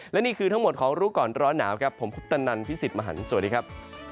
และนี่คือทั้งหมดของรู้ก่อนร้อนหนาวครับผมคุปตนันพี่สิทธิ์มหันฯสวัสดีครับ